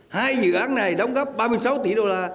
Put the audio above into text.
hai dự án này đóng góp ba mươi sáu tỷ đô la